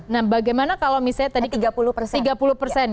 nah bagaimana kalau misalnya tadi